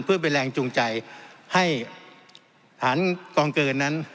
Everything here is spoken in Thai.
เพื่อเป็นแรงจูงใจให้ฐานกองเกินนั้น